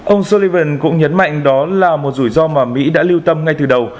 ông sullivan cũng nhấn mạnh đó là một rủi ro mà mỹ đã lưu tâm ngay từ đầu